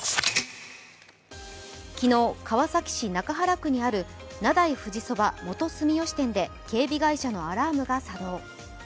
昨日、川崎市中原区にある名代富士そば元住吉店で警備会社のアラームが作動。